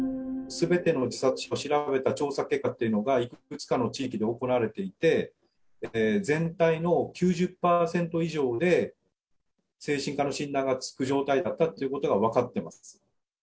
すべての自殺者を調べた調査結果というのが、いくつかの地域で行われていて、全体の９０％以上で、精神科の診断がつく状態だったということが分かってます。